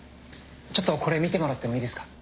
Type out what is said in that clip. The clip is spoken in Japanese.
ちょっとこれ見てもらってもいいですか？